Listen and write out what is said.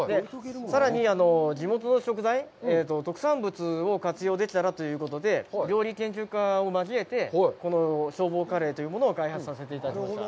さらに地元の食材、特産物を活用できたらということで、料理研究家を交えてこの消防カレーというものを開発させていただきました。